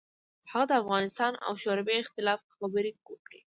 هغه د افغانستان او شوروي اختلاف خبرې وکړې.